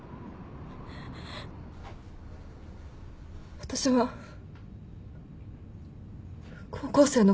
私は高校生のころ。